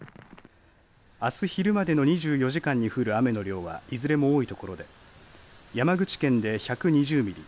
あす昼までの２４時間に降る雨の量はいずれも多いところで山口県で１２０ミリ。